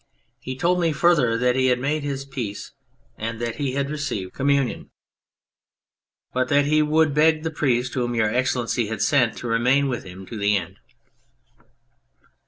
He told me further that he had made his peace and that he had received 93 On Anything Communion, but that he would beg the priest whom Your Excellency had sent to remain with him to the end.